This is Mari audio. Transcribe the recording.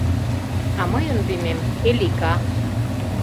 А мыйын лӱмем — Элика.